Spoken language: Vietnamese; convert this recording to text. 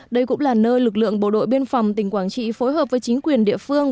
đây cũng là nơi lực lượng bộ đội biên phòng tỉnh quảng trị phối hợp với chính quyền địa phương